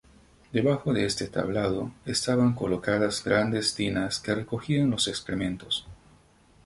Debajo de este tablado estaban colocadas grandes tinas que recogían los excrementos.